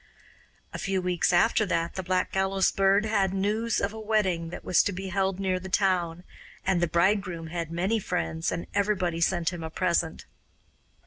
A few weeks after that the Black Gallows Bird had news of a wedding that was to be held near the town; and the bridegroom had many friends and everybody sent him a present.